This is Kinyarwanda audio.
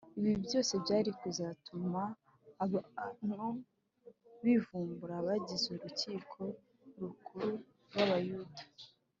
ibi byose byari kuzatuma abantu bivumburira abagize urukiko rukuru rw’abayuda